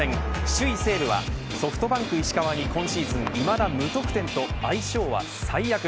首位西武はソフトバンク石川に今シーズンいまだ無得点と相性は最悪。